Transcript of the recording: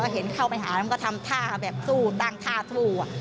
เห็นเข้าไปหามันก็ทำท่าแบบสู้ตั้งท่าสู้